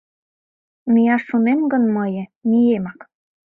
Мияш шонем гын мые, миемак –